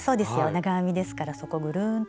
長編みですからそこぐるんと。